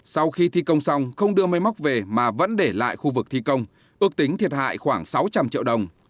sau khi thi công xong không đưa mây móc về mà vẫn để lại khu vực thi công ước tính thiệt hại khoảng sáu trăm linh triệu đồng